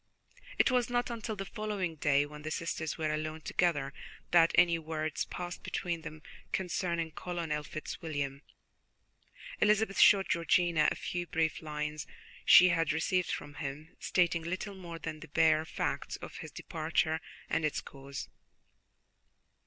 It was not until the following day, when the sisters were alone together, that any words passed between them concerning Colonel Fitzwilliam. Elizabeth showed Georgiana a few brief lines she had received from him, stating little more than the bare facts of his departure and its cause.